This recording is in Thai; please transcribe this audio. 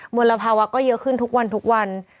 มลภาวก็เยอะขึ้นทุกวัน